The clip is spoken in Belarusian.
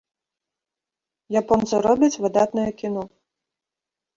Японцы робяць выдатнае кіно.